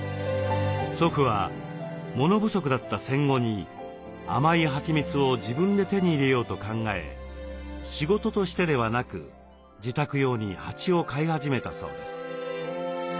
祖父は物不足だった戦後に甘いはちみつを自分で手に入れようと考え仕事としてではなく自宅用に蜂を飼い始めたそうです。